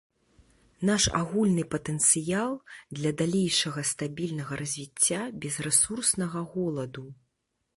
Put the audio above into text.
Наш агульны патэнцыял для далейшага стабільнага развіцця без рэсурснага голаду.